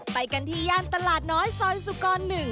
ไปกันที่ย่านตลาดน้อยซอยสุกร๑